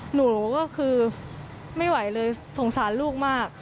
หนูก็คือไม่ไหวเลยสงสารลูกมาก